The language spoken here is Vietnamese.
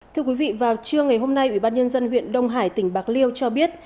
thưa quý vị vào trưa ngày hôm nay ủy ban nhân dân huyện đông hải tỉnh bạc liêu cho biết